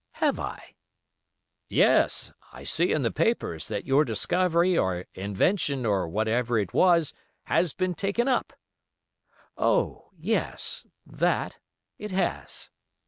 "Have I?" "Yes. I see in the papers, that your discovery, or invention, or whatever it was, has been taken up." "Oh! yes—that? It has."